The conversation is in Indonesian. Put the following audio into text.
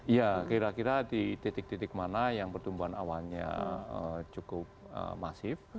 ya kira kira di titik titik mana yang pertumbuhan awannya cukup masif